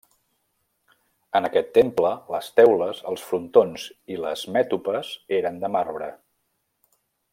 En aquest temple les teules, els frontons i les mètopes eren de marbre.